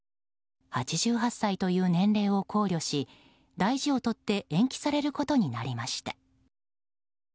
８８歳という年齢を考慮し大事を取って延期されることになりました。